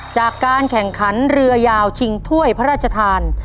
จากการแข่งขันเรือยาวชิงถ้วยพระราชทาน